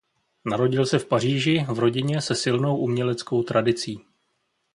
Narodil se v Paříži v rodině se silnou uměleckou tradicí.